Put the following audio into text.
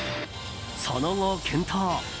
その後、健闘。